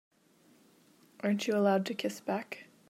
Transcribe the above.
Aren't you allowed to kiss back?